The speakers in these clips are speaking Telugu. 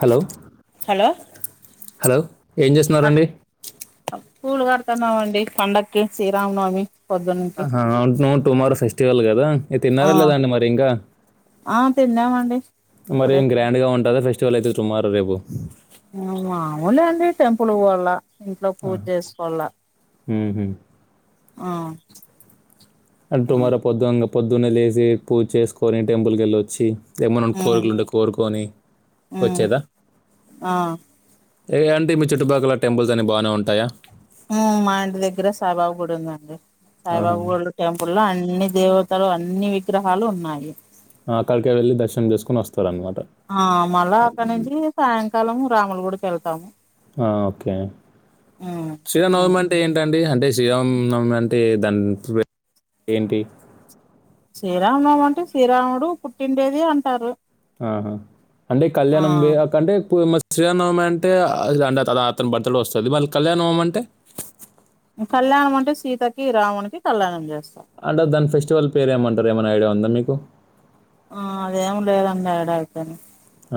హలో హలో హలో ఏం చేస్తున్నారండి స్ూలు వ [unintelligible] ఇన్నామండి పండక్కి శ్రీరామనవమి పొద్దునుంచి ఆా న [unintelligible] టుమారో ఫెస్టివల్ కదా మీ ఆ తిన్నారా లేదాండి మరి ఇంకా ఆ తిన్నామండి ఇప్పుడే మరిం గ్రాండ్ గా ఉంటుందా ఫెస్ చలైదు సటుమారో రేపు మామూలు అండడి టెంపుల్ పోల్ళ ఇంట్లో పూజ చేసుకోవాల ఉమ్ హు అహ్ అంటు మరి పొడుగ్గ అంగ పొద్దున్నే లేసి పూజ చేసుకొని టెంపుల్కి వెళ్ళొచ్చి ఏమైన్నా ఉ కోరికలు ఉంటే కోరుకని ఉమ్ వచ్చేదా ఆ ఏ అంటడి మీ చుట్టుపాక్కల టెంపుల్స్ అన్ని బాగానే ఉంటాయా మా ఇంటి దగ్గర సాయిబాబా కూడా ఉందండి ఆహా. సాయిబాబు టెంపుల్కెంపుల్లో అన్ని దేవతలు అన్ని విగ్రహాలు ఉన్నాయి. అక్కడికే వెళ్ళి దర్శనం చేసుకుని వస్తంది ఆ మళ్ళా అక్కడి నుంచి సాయంకాలం రాములు గుడికి వెళ్తాము ఓకే శ్రీరామనవమి అంటే ఏంటండి అంటే శ్రీరామనవమి అంటే దాని ఏంటి శ్రీరామునావామి అంటే శ్రీరాముడు పుట్టిండేది అంటారు ఆహా అంటే ఆ కళ్యాణం [unintelligible] అంటే ఇప్పుడు మస్ట్ శ్రీరానవమి అంటే అ అంటే అతని బర్త్డే వస్తది మళ్ళీ కళ్యాణ నవమి అంటే కళ్యాణం అంటే సీతకి రామునికిి కళ్యాణం చేస్తారు అంటే దాన్ ఫెస్టివల్ పేరు ఏమంటారు ఏమైనా ఐడియా ఉందా మీకు ఆ అదేం లేదండి ఆవిడ అయిపోయింది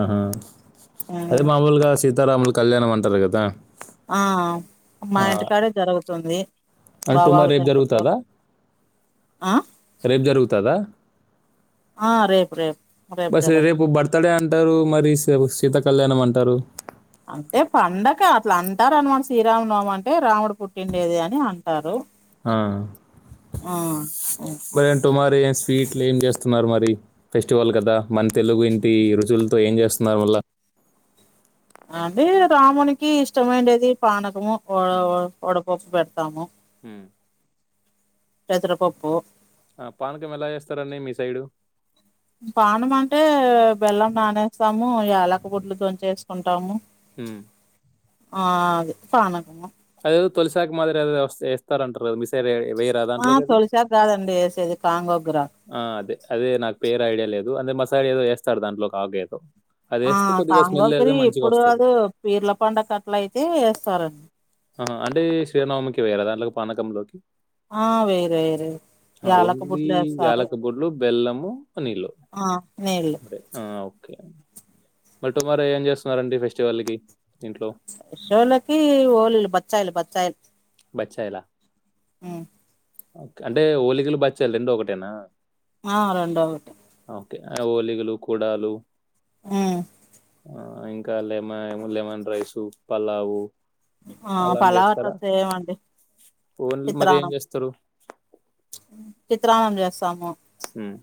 ఆహా అదే మామూలుగాసి సీతరాముల కళ్యాణం అంటారు కదా ఆ మా ఆ! ఇంటికాడే జరుగుతుంది అంటే మరి బాబాకు రేపు టెంపుల్లో జరుగుతుదా ఆ రేపు జరుగుతుదా ఆ రేపు రేపు బస్ జరుగుతుంది రేపు బర్తడే అంటారు మరి శీ సీత కళ్యాణం అంటారు అంటే పండగ అట్లా అంటారు అనమాట శ్రీరామనవమి అంటే రాముడు పుట్టిండేది అని అంటారు అహ్ ఆ సరే నేను అరే స్వీట్లు ఏం చేస్తున్నారు మరి ఫెస్టివల్ కదా మన తెలుగు ఇంటి రుచులతో ఏం చేస్తున్నారు మళ్ళా అదే రామునికి ఇష్టమైండేది పానకము ఓ హ్మ్. వడపప్పు పెడతాము పెసరపప్పు ఆ! పానకం ఎలా చేస్తారండి మీ సైడు? పానకం అంటే బెల్లం నా నేస్తాము ఎలక బుడ్లతో చేస్తా ఉంటాము హ్ము ఆ అది పానకము అదేద తొలిసాక మ మాదిరి అద వస్త ఎేస్తారంటారు మీసరు అయితే వేరా ఆ దాంట్లోకిది తొలిసారి కాదండి వేసేది కాంగోగ్ర ఆ అదే అదే నాకు పేరు ఐడియా లేదు అదే మసాలా ఏదో వేస్తడు దంట్లో ఆగే ఏదో ఆ సాంగగిరి ఇప్పుడు మంచిగొస్తది. అద పీర్ల పండకట్ల అయితే వేస్తారండి ఆ అంటే శ్రీనవమకి వయ్యరాా దాంట్లో పా పనకంలోకి ఆ వేయరు వేయరు యాలక ఓన్లీ బుడ్లు వేస్తారు యాలక బుడ్లు బెల్లము నీళ్లు ఆ నీళ్ళు ఆ ఒకే మరి టుమారో ఏం చేస్తున్నారండి ఫెస్టివల్ కి ోలకి ఓలి బచ్చాయిలు బచ్చాయిలు బచ్చయిలా ఉమ్ అంటే ఓలిగలు బచ్చలు రెండు ఒకటేనా ఆ రెండు ఒకటే ఓకే. ఆ ఒలిగలు కుడాలు హుమ్ ఆ ఇంకా లెమన్ లెమన్ రైస్ పలావు ఆ అలానే పలావ్ అన్నం అయితె చేస్తారా చేయమండి ఓన్లీ మరి ఏం చిత్రన్నం చేస్తారు చిత్రాన్నం చేస్తము హుమ్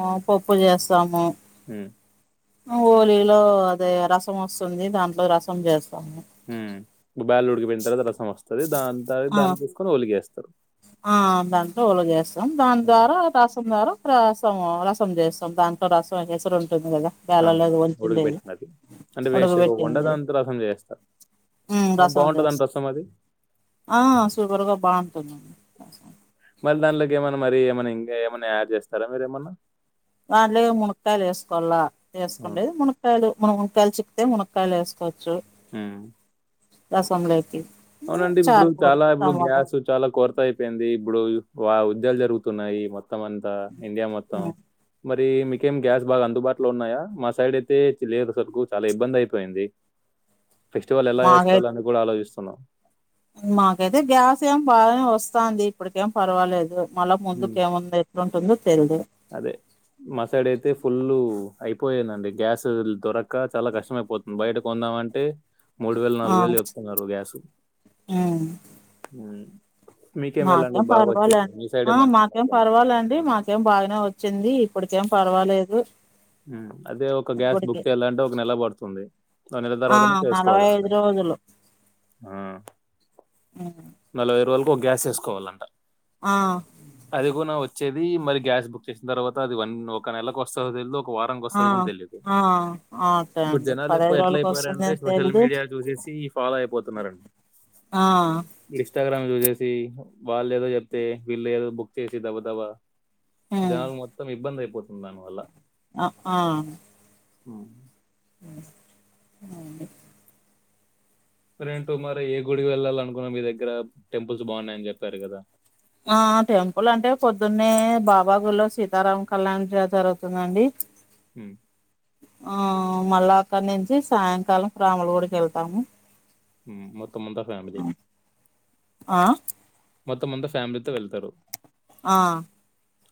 ఆ పప్పు చేస్తాము మ్ హోలీలో అదే రసం వస్తుంది దాంట్లో రసం చేస్త మ్ బ్యాల్ ఉడికిపోయిన తర్వాత రసం వస్తుంది దాని తత ఆ దాన్ని తీసుకొని ఒలికేస్తారు ఆ దాంతో ల చేస్తాం దాని ఆ ద్వారా రసం ద్వారా రసం చేస్తాం దాంట్లో రసంచేశాం ఉుంది కదా వేళ ఆ! లేదు వంచిండే ఉడకబెట్టినది అంటే ఉడుక వేస్ట్ అయిపోకుండా పెట్టింది దాంతో రసం చేస్తారు అవును రసం బాగుంటదంట చేస్త రసం అది ఆ సూపర్గా బాగుంటుంది మరి దాంట్లోకి ఏమైన్నా మరి ఏమైనా ఇంకా ఏమైన్నా యాడ్ చేస్తారా మీరూ ఏమన్నా వాంలే మునక్కయలు వేసుకోవాల హ్మ్ వేసుకుండేది మునక్కయలు మున మునకాయ చిక్తే మునకాయ వేసుకోవచ్చు మ్ దసంలోయికి అవునండి ఇప్పుడు చాలా ఇప్పుడు గ్యాస్ చాలా కొరత అయిపోయింది ఇప్పుడు వా విదలు జరుగుతున్నాయి మొత్తం అంత ఇండియా మొత్తం మరి మీకేం గ్యాస్ బాగా అందుబాటులో ఉన్నాయా మా సైడ్ అయితే లేదు అసలుకు చాలా ఇబ్బంది అయిపోయింది ఫెస్టివల్ ఎలా మాకైతే చేస్తారని కూడా ఆలోచిస్తారు హలో మాకైతే గ్యాస్ ఏం బాగానే వస్తాంది ఇప్పుటికేం పర్వాలేదు మళ్ళా హ్మ్ ముందుకేముంది ఎట్లుంటుందో తెలీదు అదే మా సైడ్ అయితే ఫుల్లు అయిపోయేందండి గ్యాస్ దొరక్క చాలా కష్టమైపోతుంది. బయట కొందామంటే మూడు వేలు ఆ నాలుగు వేలు చెప్తున్నారు గ్యాసు ఉమ్ హ్మ్ మీకేం వెళ్ళండి మాకేం బాగా పర్వాలే వచ్చింది. మీ ఆ మంచిగా మాకేం ఉన్నట్టుంది. పర్వాలండి మాకేం బాగానే వచ్చింది ఇప్పుడికేం పర్వాలేదు. అదే ఒక గ్యాస్ ఇప్పటికి బుక్ చేయాలంటే ఒక నెల పడుతుంది ఆ నెల తర్వాతనే నలభై ఐదు చేసుకోవాలే రోజులు ఆ ఆ నలభై రోజులకు ఒక గ్యాస్ తీసుకోవాలంట ఆ అదికు నా వచ్ వచ్చేది మరి గ్యాస్ బుక్ చేసిన తర్వాత అది వన్ ఒక నెలకి వస్తదో తెలిదు ఒక వారంకి ఆ వస్తది గున తెలియదు ఆ ఆ, ఓకే ఇప్పుడు అండి జనాలు ఎక్కువ పదహైదు ఎట్ల రోజులకి అయిపోయారంటె వస్తుందని సోషల్ తెలీదు మీడియా చూసేసి ఫాలో అయిపోతున్నారండి ఆ ఇన్స్టాగ్రామ్ చూసేసి వాళ్ళు ఏదో చెప్తే వీళ్ళు ఏదో బుక్ చేసి దబదబ దానిలో మొత్తం ఇబ్బంది అయిపోయి పోతుంది దాని వల్ల అ ఆ అ అ [unintelligible] మరేంటో మరి ఏ గుడికి వెళ్ళాలి అనుకున్నా మీ దగ్గర టెంపుల్స్ బాగున్నాయని చెప్పారు కదా ఆ టెంపుల్ అంటే పొద్దున్నే బాబాగుల్లో సీతారాం కళ్యాణం జరుగుతుందండి హ్మ్. ఆ మళ్ళా అక్కడి నుంచి సాయంకాలం ప్రాముల గుడికి వెళ్తాము మొత్తం మంతా ఫ్యామిలీ ఆ మొత్తమంత ఫ్యామిలీతొ వెళ్తారు ఆ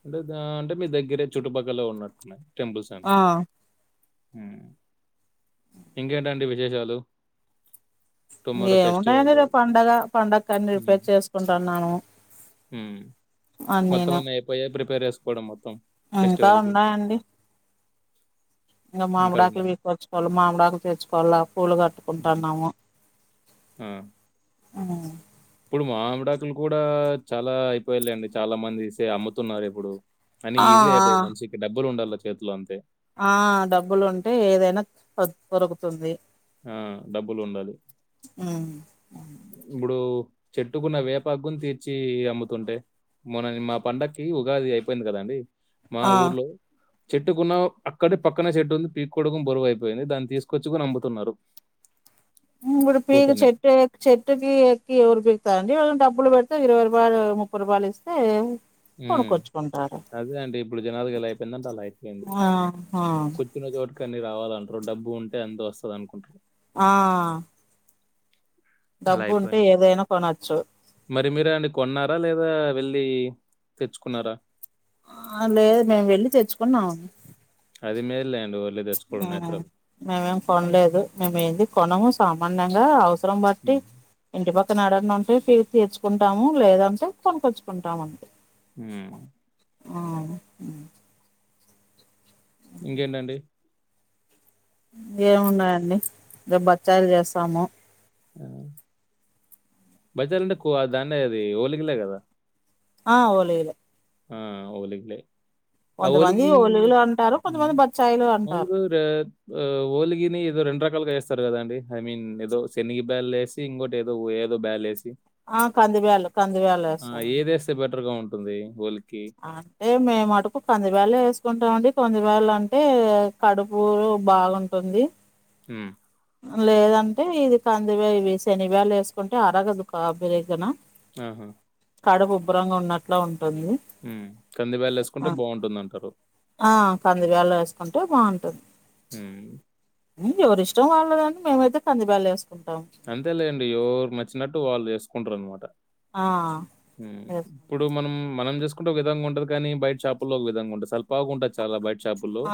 అంటే అంటే మీ దగ్గరే చుట్టుపక్కల ఉన్నట్టున్నాయి టెంపుల్స్ హు ఆ ఇంకేంటండి విశేషాలు ఇంగ టుమారో ఏముంటాయండి ఫెస్టివల్. రేపు పండగ పండకన్ని రిపేర్ చేసుకుంటున్నాను హు మొత్తం అన్నీను అన్ని అయిపోయ ప్రిపేర్ చేసు కొడము ఇంకా ఉన్నాయండి ఇంకా మామిడాకులు వీకొచ్చుకోవలి మామిడాకులు తెచ్చుకోవాలి పూలు హ్మ్. కట్టుకుంటున్నాము ఆ! అ ఇప్పుడు మా ఆమిడాకులు కూడా చాలా అయిపోయయి లేండి చాలా మంది సే అమ్ముతున్నారు ఇప్పుడు అని ఆ ఆ ఈజీ అయిపోయయి మనిషకి డబ్బులు ఉండాలచ్చి చేతులో అంతే ఆ డబ్బులు ఉంటే ఏదైనా దొరుకుతుంది ఆ డబ్బులు ఉండాలి ఇప్పుడు చెట్టుకున్న వేపా్గుని తీర్చి అమ్ముతుంటే మొన్న నిను మా పండక్కి ఉగాది అయిపోయింది కదండి మా ఆ ఊర్లో చెట్టుకున్న అక్కడే పక్కనే చెట్టు ఉంది పీకకోవడడం బరువుైయిపోఇంది దాన్ని తీసుకొచ్చుకొని అమ్ము న్నారు మేం కూడ్ పిక్ చెట్టు ఎ చెట్టేక్కి ఎవర్ ఎక్కి బిక్కుతారండీ [unintelligible] డబ్బులు పెడితే ఇరవై రూపాయలు ముప్పై రూపాయలు ఇస్తే ఉ కొనుక్కొచ్చుకుంటారు అదే అండి ఇప్పుడు జనాలకేలా అయిపోయిందంటే అలా అయిపోయింది ఆహా కూర్చున్న చోటు కాని రావాలంట్రు డబ్బు ఉంటే అంత వస్తాదనుకుంటారు ఆ అలా డబ్బు ఉంటే అయిపోయింది ఏదైనా కొనొచ్చు మరి మీరు అండి కొన్నారా లేదా వెళ్ ళ్ళీ తెచ్చుకున్నారా ఆ లేదు నేన్ వెళ్ళి తెచ్చుకున్నాం అది మేల్లే మేమేం కొనలేదు మేము ఏంది కొనము సామ నంగ తంబట్టి హ్మ్. ఇంటి పక్క అతనడనింటే పిరు తీ తెర్చ్చుకుంటాము లేదంటే కొనికొచ్చుకుంటాముండి మ్ ఇంకేంటండి ఏమున్నాయండి బచ్చాయిలు చేస్తాము ఆ బజార్ అంటే కో దాన్న అది ఓలికిలే కదా ఆ ఓలిలే ఆ వోలిగల్ ఆ కొంతమంది హోలిగి ఒలుగులు అంటారు కొంతమంది బచ్చాయిలు అంటారు హోలిగని ఇ రెం రకాలుగా వస్త స్తారు కదండి ఐ మీన్ ఏదో శనగి బ్యాల్ వేసి ఇంకోటి ఏదో ఏదో బ్యాల్ వేసి ఆ కంది వయాల కంది వేాల వస్తా టంది బోల్ అంటే మేముటుకు కందిబెల్లు వేసుకుంటాం అండి కందిబెల్లు అంటే కడుపు బాగుంటుంది మ్ లేదంటే ఇది కందివే ఇవి శేనగబేడలు వేసుకుంటే అరగదు అదొక రీసన్ ఆహా కడుబబ్బరంగా ఉన్నట్లు ఉం టుంది హ్మ్. కంది ఆ బ్యాల్లేసుకుంటే బావుంటుందంటారు. ఆ కందిబేలు వేసుకుంటే బాగుంటుంది హ్మ్. ది ఎవరి ష్టం వాళ్ళదని మేమైతే కందిబేలు వేసు అంతేలేండి ఎవరు నచ్చినట్టు వాళ్ళు చేసు కొంటరు అన్నమాట ఆ మ్ వేసుకుంటాం ఇప్పుడు మనం మనం చేసుకుంటే ఒక విధంగా ఉంటది కానీ బైట షాపుల్లో ఒక విధంగా ఉంటంది స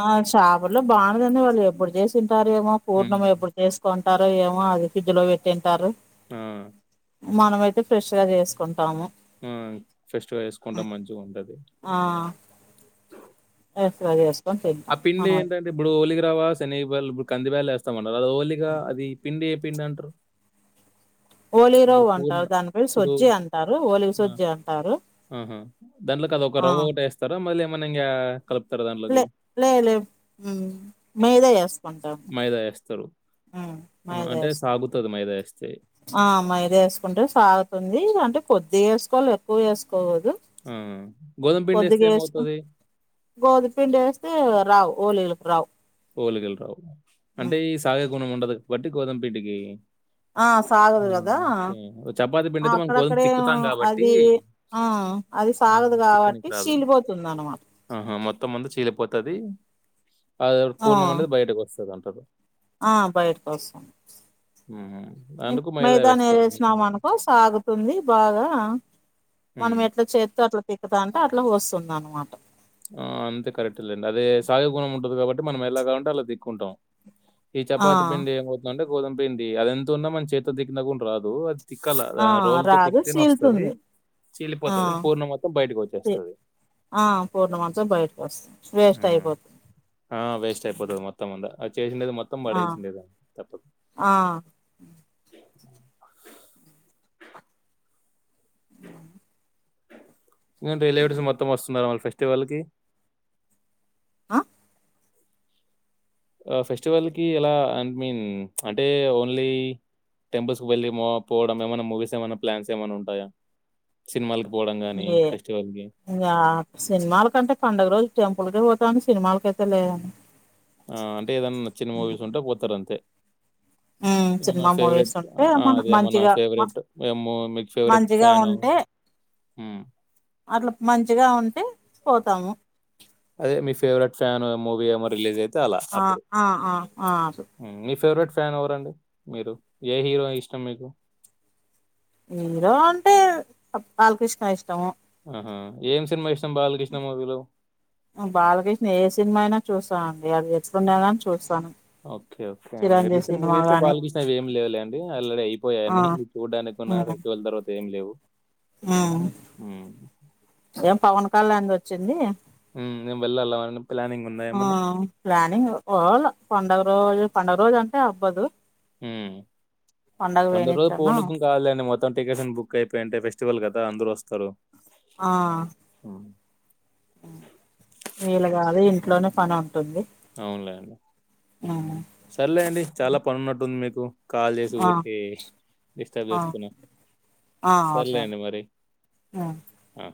ఆ షాపుల్లో బాగుండదండి వాళ్ళు ఎప్పుడు చేసింటారేమో హ్మ్. పూర్ణము ఎప్పుడు చేసుకోని ంటారు ఏమో అది ఫ్రిజ్లో పెట్టింటారు ఆ మనం అయితే ఫ్రెష్ గా చేసుకున్ మ్మ్ ఫ్రెష్ గా హ్మ్. చేసుకుంటాం మంచిగ ఉంటది ఆ ఎఫ్ పోయెస్ ఆ పిండి ఎంటంటే ఇప్పుడు ఓలిగ వోలిగా శనిగబెల్లు కందిబ్యాల్లు వేస్తాం ఆన్ ఆ ఓలిగా అది పిండి పిండి అంటరు ఓలీగ రవ్వ అంటారు దాని పేరు ఇప్పుడు సుజ్జి అంటారు ఓలీగ సుజ్జి అంటారు. మ్మ్ హు దాంట్లో అది ఒక ఆ రవ్వ ఒకటే వేస్తారా మళ్ళీ ఎమన్ మనంగా లే లేదు లేదు మ్మ్ మీదే వేసుకుంటాం మైదా ఏస్తారు. మ్మ్ ఆహా! మైదా అంటే వేసుకుం సాగుతది మైదా ఏస్తే. ఆ మైదా వేసుకుంటే సాగుతుంది అంటే కొద్ది వేసుకోవాలి ఎక్కువ వేసుకో పోదు ఆ! గోధుమ పిండేస్తే కొద్దిగా వేసుకున్ ఏమవుతది? గోధుమపిండి వేస్తే రావు ఒలిగలకు రావ్ ఓలీగల్ రావు అంటే ఈ సాగే గుణం ఉండదు వట్టి గోదంపిండికి ఆ సాగదు ఆ కదా ఒకే చపాతి పిండి తే మనం గోధం అక్కడక్కడే తిక్కుతాం కాబట్టి అది ఆ అది ఆ సాగదు కాబట్టి తిక్కనికి రాదు చీలిపోతుంది అనమాట ఆహా మొత్తం మంతా చీలిపోతది అది ఆ పూర్ణం అనేది బయటకొస్తదంటారు. ఆ బయటకు వస్తుంది హుహు. అందుకు మైదా మైదాను వేస్తారు. మీకు. వేసినాం అనుకో సాగుతుంది బాగా మనం హ్మ్. ఎట్లా చేత్తో అట్లా తిక్ తాంటే అట్ల వస్తుంద అన్నమాట ఆ అంతే కరెక్ట్ లేండి అదే సాగేగుణం ఉంటది కాబట్టి మనం ఎలా గంట అలా దిక్కుంటాం ఈ ఆ చపాతి పిండి ఏమవుతుంది అంటే గోదంపిండి అది ఎంతున్నా మన చేతో తిక్కిన గున్ రాదు తిక్కాల ఆ రోల్ తో రాదు తిక్తేనే వస్తది చీలుతుంది ఆ చీలిపోతది పూర్ణం మొత్తం బయటకి చి- వచ్చేస్తది ఆ పూర్ణమాంసం బయటకు వస్తుంది వేస్ట్ హ్మ్ అయిపోతుంది ఆ వేస్ట్ అయిపోతది మొత్తం అంద అ చేసిండేది మొత్తం ఆ పడేల్సిండేద తప్పదు ఆ ఇక రిలేవిటిస్ మొత్తం వస్తున్నారా మళ్ళ ఫెస్టివల్ కి ఆ ఫెస్టివల్ కి ఎలా ఐ మీన్ అంటే ఓన్లీ టెంపుల్స్ క వెళ్ళి పోవడం ఏమైన్నా మూవీస్ ఏమైన్నా ప్లాన్స్ ఏమైన్నా ఉంటాయా సినిమాలకి పోవడం గాని ఏ ఫెస్టివల్ కి ఇంగా సినిమాల కంటే పండుగ రోజు టెంపుల్ కే పోత్ డి సినిమాలకైతే లేదండి ఆ అంటే ఏదనా నచ్చిన మూవీస్ ఉంటే పోతారు అంతే ఉమ్ సినిమా మూవీస్ ఫేవరెట్ ఉంటే మన అదేమ నా మంచిగా ఫేవరెట్ మే మీకు ఫేవరెట్ మంచిగా ఫ్యాను ఉంటే మ్ అట్లా మంచిగా ఉంటే పోతాము అదే మీ ఫేవరెట్ ఫ్యాన్ మూవీ ఏమో రిలీజ్ అయిది ఆ ఆ ఆ ఆ అ ఉమ్, మీ ఫేవరెట్ ఫ్యాన్ ఎవరండి మీరు ఏ హీరో ఇష్టం మీకు హీరో అంటే బాలకృష్ణ ఇష్టము ఆహా ఏం సినిమా ఇష్టం బాలకృష్ణ మూవీలో బాలకృష్ణ ఏ సినిమా అయినా చూస్తా ఓకే ఓకే చిరంజీవి రీసెంట్ సినిమా మూవీ అయితే గాని బాలకృష్ణ ఏమి లేవులేండి, అల్రెడీ అయిపోయా ఆ అన్ని ఉమ్ చూడడానికిన్న ఫెస్టివల్ తర్వాత ఏమి లేవ్. ఉమ్ హామ్ కళ్యాన్ ది వచ్చింది హుం మేము వెళ్ళాల అని ప్లానింగ్ ఉన్నాయా ఏమన్నా పండగ రోజు పండుగ రోజ్ అంటే అవ్వదు హు పండగ రోజ్ పో నీక్ కాదులే మొత్ త్తం టికెట్స్ అన్ని బుక్ అయిపోయింటే ఫెస్టివల్ కదా అందరుూ వస్తారు. ఆ హ్మ్. ఆ వేలా కాదు ఇన్ లోనే ఫన్ ఉన్ అవునులే అండి సరలే అండి చాలా పని ఉన్నట్టుంది మీక్ తు కాల్ చేసి ఆ ఊరికే డిస్టర్బ్ ఆ చేస్తున్నా ఆ ఓకే అండి సర్లేండి మరి ఉమ్. హా